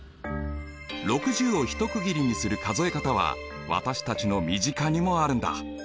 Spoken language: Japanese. ６０を一区切りにする数え方は私たちの身近にもあるんだ。